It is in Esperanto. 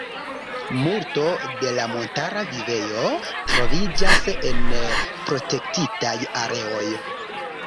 Multo de la montara vivejo troviĝas en protektitaj areoj.